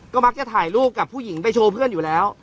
ก็มักจะถ่ายรูปกับผู้หญิงไปโชว์เพื่อนอยู่แล้ว